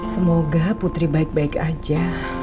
semoga putri baik baik aja